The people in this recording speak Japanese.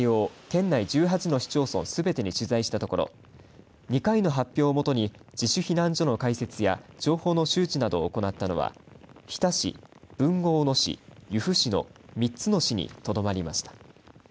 県内１８の市町村すべてに取材したところ２回の発表をもとに自主避難所の開設や情報の周知などを行ったのは日田市豊後大野市、由布市の３つの市にとどまりました。